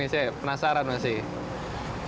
saya penasaran masih